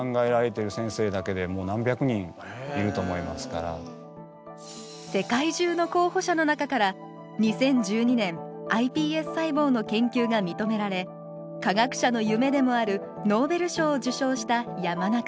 わたしの時は世界中の候補者の中から２０１２年ｉＰＳ細胞の研究がみとめられ科学者の夢でもあるノーベル賞を受賞した山中教授。